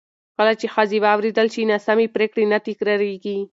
کله چې ښځې واورېدل شي، ناسمې پرېکړې نه تکرارېږي.